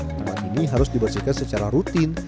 tempat ini harus dibersihkan secara rutin